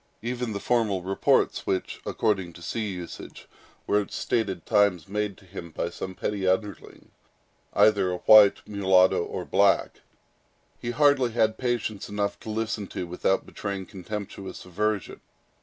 Even the formal reports which, according to sea usage, were, at stated times, made to him by some petty underling, either a white, mulatto or black, he hardly had patience enough to listen to, without betraying contemptuous aversion.